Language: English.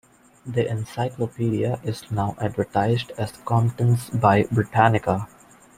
The encyclopedia is now advertised as "Compton's by Britannica".